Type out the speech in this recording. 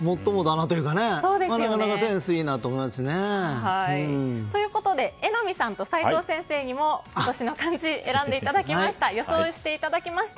なかなかセンスがいいなと思いますね。ということで、榎並さんと齋藤先生にも今年の漢字を予想していただきました。